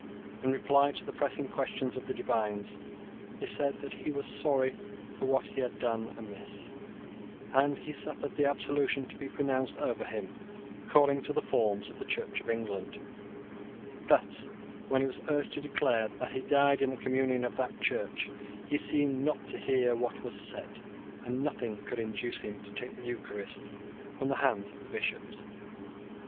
In reply to the pressing questions of the divines, he said that he was sorry for what he had done amiss; and he suffered the absolution to be pronounced over him according to the forms of the Church of England: but, when he was urged to declare that he died in the communion of that Church, he seemed not to hear what was said; and nothing could induce him to take the Eucharist from the hands of the Bishops.